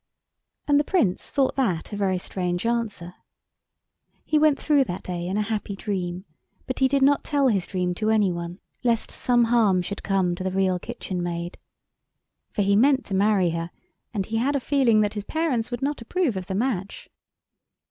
And the Prince thought that a very strange answer. He went through that day in a happy dream; but he did not tell his dream to any one, lest some harm should come to the Real Kitchen Maid. For he meant to marry her, and he had a feeling that his parents would not approve of the match.